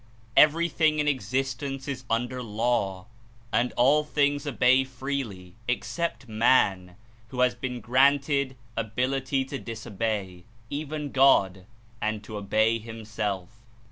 Every thing in existence is under law, and all things obey freely, except man, who has been granted ability to 126 disobey, even God, and to obey himself.